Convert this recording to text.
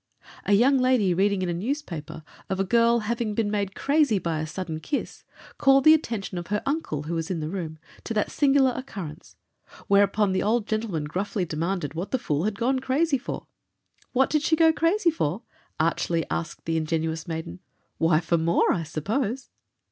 A young lady reading in a newspaper of a girl having been made crazy by a sudden kiss, called the attention of her uncle, who was in the room, to that singular occurrence, whereupon the old gentleman gruffly demanded what the fool had gone crazy for. "What did she go crazy for?" archly asked the ingenuous maiden; "why, for more, I suppose."